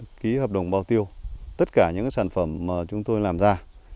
chúng tôi sẽ ký hợp đồng bao tiêu tất cả những sản phẩm mà chúng tôi làm ra